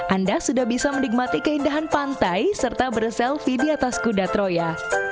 anda sudah bisa menikmati keindahan pantai serta berselfie di atas kuda troya